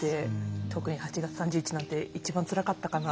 特に８月３１なんて一番つらかったかな。